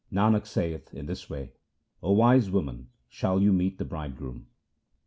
Nanak saith, in this way, O wise women, shall you meet the Bridegroom.